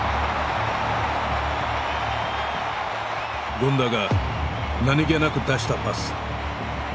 権田が何気なく出したパス。